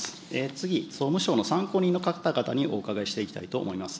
次、総務省の参考人の方々にお伺いしていきたいと思います。